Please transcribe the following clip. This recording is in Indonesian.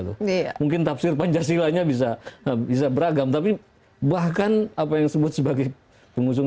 tuh iya mungkin tafsir pancasilanya bisa bisa beragam tapi bahkan apa yang disebut sebagai pengusung